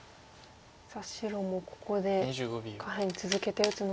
さあ白もここで下辺続けて打つのか。